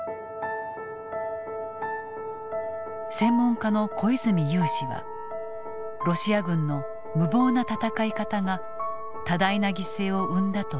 専門家の小泉悠氏はロシア軍の無謀な戦い方が多大な犠牲を生んだと見ている。